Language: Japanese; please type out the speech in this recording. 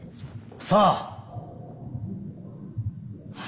さあ！